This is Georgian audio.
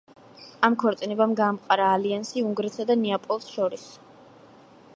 ამ ქორწინებამ გაამყარა ალიანსი უნგრეთსა და ნეაპოლს შორის.